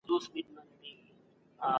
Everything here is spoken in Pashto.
د ارغنداب سیند پاکوالی د خلکو دنده ده.